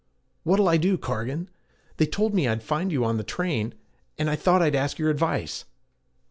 'What'll I do, Cargan? They told me I'd find you on the train, and I thought I'd ask your advice.'